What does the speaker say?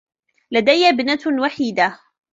لديّ ابنة وحيدة.